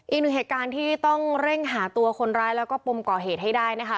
อีกหนึ่งเหตุการณ์ที่ต้องเร่งหาตัวคนร้ายแล้วก็ปมก่อเหตุให้ได้นะคะ